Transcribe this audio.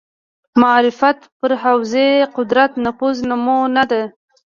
معرفت پر حوزې قدرت نفوذ نمونه ده